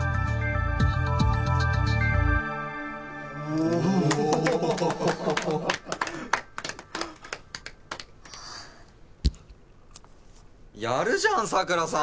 おおやるじゃん佐倉さん